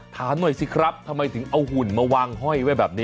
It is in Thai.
ถามหน่อยสิครับทำไมถึงเอาหุ่นมาวางห้อยไว้แบบนี้